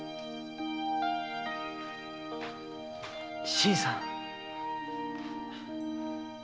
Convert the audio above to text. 新さん。